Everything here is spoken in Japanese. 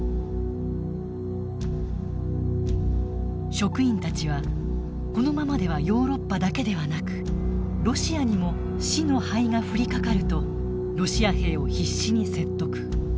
職員たちはこのままではヨーロッパだけではなくロシアにも「死の灰」が降りかかるとロシア兵を必死に説得。